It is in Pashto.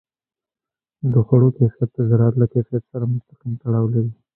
د خوړو کیفیت د زراعت له کیفیت سره مستقیم تړاو لري.